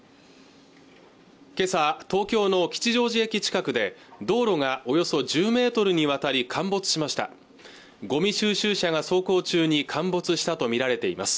今朝、東京の吉祥寺駅近くで道路がおよそ１０メートルにわたり陥没しましたごみ収集車が走行中に陥没したと見られています